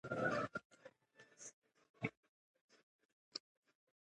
کتاب د حقایقو د موندلو او د حقیقت د پېژندلو یوه هنداره ده.